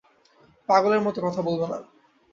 পাগলের মতো কথা বলবে না।